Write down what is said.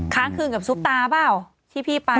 ค้างคืนกับซุปตาเปล่าที่พี่ไป